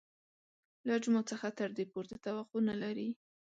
له جومات څخه تر دې پورته توقع نه لري.